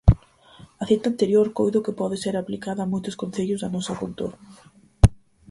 A cita anterior coido que pode ser aplicada a moitos concellos da nosa contorna.